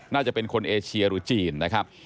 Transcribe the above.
น่าจะเป็นคนเอเชียหรือจีนนะครับ